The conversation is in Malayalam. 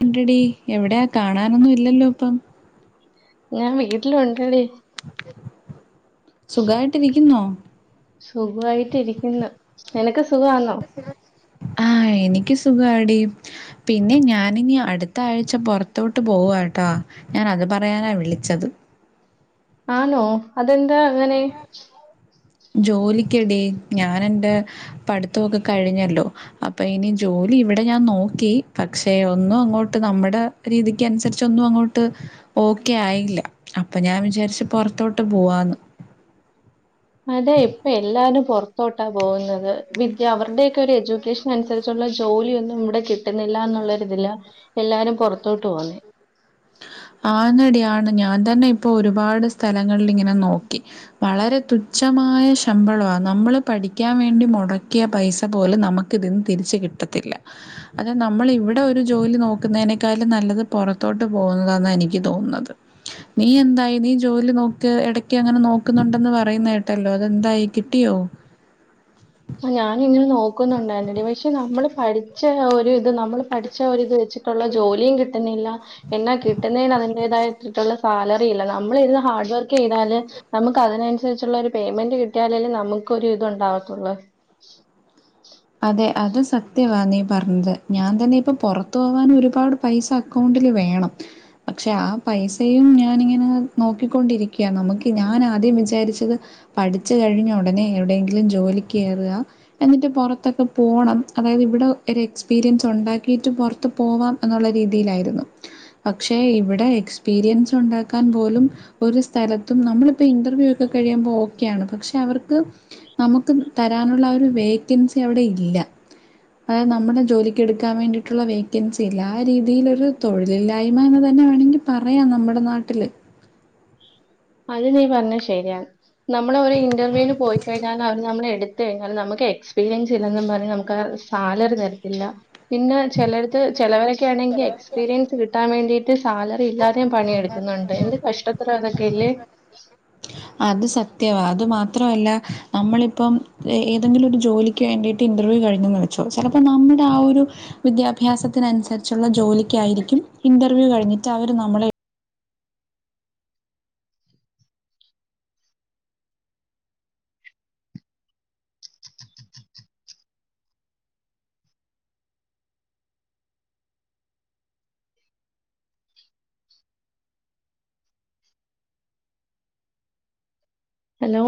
രണ്ടടി എവിടെയാ കാണാനൊന്നും ഇല്ലല്ലോ. ഇപ്പം ഞാൻ വീട്ടില ഉണ്ടടി സുഖായിട്ടിക്കുന്നോ സുഖമായിട്ടിരിക്കുന്ന നിനക്ക് സുഖമാണോ ആഹ് എനിക്ക് സ് സുഖാടി. പിന്നെ ഞാനിനി അടുത്ത ആഴ്ച പുറത്തോട്ട് പോവ്വാ ട്ടോ ഞാൻ അകത്തു പറയാനാ വിളിച്ചത്. ആണോ അതെന്താ അങ്ങനെ ജോലിക്കടി ഞാനെന്റെ പഠിത്തമൊക്കെ കഴിഞ്ഞല്ലോ അപ്പൊ ഇനി ജോലി ഇവിടെ ഞാൻ നോക്കി പക്ഷെ ഒന്നും അങ്ങോട്ട് നമ്മുടെ രീതിക്ക് അനുസരിച്ച ഒന്നും അങ്ങോട്ട് ഓക്കെ ആയില്ല. അപ്പ ഞാൻ വിചാരിച്ച് പുറത്തോട്ട് പോവാന്ന് അതെ ഇപ്പൊ എല്ലാരും പുറത്തോട്ടാ പോകുന്നത്. വിദ്യ അവരുടെയൊക്കെ ഒരു എജു സിറ്റ്യുവേഷനനുസരിച്ചുള്ള ജോലിയൊന്നും ഇവിടെ കിട്ടുന്നില്ല എന്നുള്ളരി ഇതില് എല്ലാരും പുറത്തോട്ട് പോന്നേ [unintelligible] ആന്നടി ആണ്. ഞാൻ തന്നെ ഇപ്പോ ഒരുപാട് സ്ഥലങ്ങളിലിങ്ങനെ നോക്കി. വളരെ തുച്ഛം മായ ശമ്പളവാ. നമ്മള് പഠിക്കാൻ വേണ്ടി മുടക്കിയ പൈസ പോലും നമുക്കിതിന്ന് തിരിച്ച് കിട്ടത്തി ല്ല. അത് നമ്മൾ ഇവിടെ ഒരു ജോലി നോക്കുന്നതിനക്കാളും നല്ലത് പുറത്തോട്ട് പോവുന്നതാന്നാ എനിക്ക് തോന്നുന്നത് നീ എന്തായി നീ ജോലി നോക്ക ഇടക്ക് അങ്ങനെ നോക്കുന്നുണ്ടെ ന്ന് പറയുന്ന കേട്ടല്ലോ. അതെന്തായി കിട്ടിയോ ആ ഞാനിങ്ങനെ നോക്കുന്നുണ്ടായിരുന്നെടി. പക്ഷെ നമ്മള് പഠിച്ച ജോലി ത് നമ്മൾ പഠിച്ച ആ ഒരിത് വെച്ചിട്ടുള്ള ജോലിയും കിട്ടുന്നില്ല. എന്നാ കിട്ടുന്നതിന് അതിന്റേതായ ട്ടുന്ന സാലറില്ല. നമ്മൾ ഇരുന്ന് ഹാർഡ് വർക്ക് ചെയ്താല്, നമുക്ക് അതിനനുസരിച്ചുള്ള ഒരു പേയ്മെന്റ് കിട്ടിയാല് ല് നമുക്കൊരിത് ഉണ്ടാവത്തുള്ളൂ. അതെ അത് സത്യവാ നീ പറഞ്ഞത്. ഞാൻ തന്നെ ഇപ്പൊ പൊറത്തു പോകാൻ ഒരുപാട് പൈസ അക്കൗണ്ടില് വേണം. പക്ഷെ ആ പൈസയും ഞാനിങ്ങനെ നോക്കിക്കൊണ്ടിരിക്കയാ. നമുക്ക് ഞാൻ ആദ്യം വിചാരിച്ചത് പഠിച്ചു കഴിഞ്ഞ ഉടനെ എവിടെയെങ്കിലും ജോലിക്കേറ്‌വ. എന്നിട്ട് പുറ ത്തൊക്കെ പോണം. അതായത് ഇവിടെ ഒരു എക്സ്പീരിയൻസ് ഉണ്ടാക്കിയിട്ട് പുറത്ത് പോവാം എന്നുള്ള രീതിയിലായിരുന്നു. പക്ഷെ ഇവിടെ എക്സ്പീരിയൻസ് ഉണ്ടാക്കാൻ പോലും ഒരു സ്ഥലത്തും നമ്മളിപ്പോ ഇന്റർവ്യൂ ഒക്കെ കഴിയുമ്പോ ഓക്കെ ആണ്. പക്ഷെ അവർക്ക് നമുക്ക് തരാനുള്ള അ ഒരു വേക്കൻസി അവിടെ ഇല്ല. അതായത് നമ്മുടെ ജോലിക്ക് എടുക്കാൻ വേണ്ടിയിട്ടുള്ള വേക്കൻസി ഇല്ല. ആ രീതിയിലൊരു തൊഴിലില്ലായ്മ എന്ന് തന്നെ അങ്ങനെ വേണെങ്കി പറയാം നമ്മടെ നാട്ടില്. അത് നീ പറഞ്ഞ ശരിയാണ്. നമ്മളെ ഒരു ഇന്റർവ്യൂന് പോയി കഴിഞ്ഞാൽ അവര് നമ്മളെ എടു ത്ത് കഴിഞ്ഞാൽ നമുക്ക് എക്സ്പീരിയൻസ് ഇല്ലെന്നും പറഞ്ഞ് നമുക്ക് ആ സാലറി തരത്തില്ല. പിന്നെ ചെലടത്ത് ചെലവരൊക്കെ ആണെങ്കിൽ എക്സ്പീരിയൻസ് കിട്ടാൻ വേണ്ടിട്ട് സാലറി ഇല്ലാതെയും പണിയെടുക്കുന്നുണ്ട്. എന്ത് കഷ്ടത്തിലാത് അത് സത്യവാ അത് മാത്രവല്ല. നമ്മളിപ്പം ഏതെങ്കിലും ഒരു ജോലിക്ക് വേണ്ടിട്ട് ഇന്റർവ്യൂ കഴിഞ്ഞൂന്ന് വെച്ചോ. ചിലപ്പോ നമ്മടെ ആ ഒരു വിദ്യാഭ്യാസത്തിനനുസരിച്ചുള്ള ജോലിക്കായിരിക്കും ഇന്റർവ്യൂ കഴിഞ്ഞിട്ട് അവര് നമ്മ നമ്മളെ ഹലോ